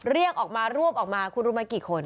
เรียกออกมารวบออกมาคุณรู้ไหมกี่คน